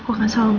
kayak aij cohort